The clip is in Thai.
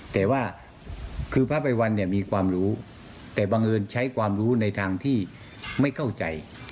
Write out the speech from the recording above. แต่ว่าคือพระไปวันเนี่ยมีความรู้แต่บังเอิญใช้ความรู้ในทางที่ไม่เข้าใจ